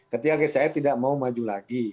ketika saya tidak mau maju lagi